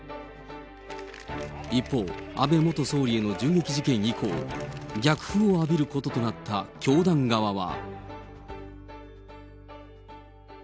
一方、安倍元総理への銃撃事件以降、逆風を浴びることとなった教団側は。